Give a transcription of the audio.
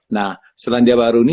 nah selandia baru ini